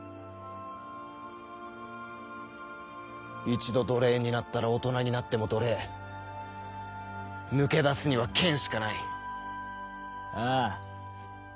一度奴隷になったら大人になっても奴抜け出すには剣しかないああ